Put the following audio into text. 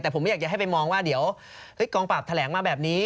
แต่ผมไม่อยากจะให้ไปมองว่าเดี๋ยวกองปราบแถลงมาแบบนี้